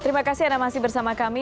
terima kasih anda masih bersama kami